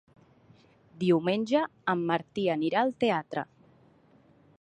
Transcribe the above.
Diumenge en Martí anirà al teatre.